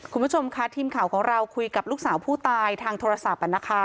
คุณผู้ชมค่ะทีมข่าวของเราคุยกับลูกสาวผู้ตายทางโทรศัพท์นะคะ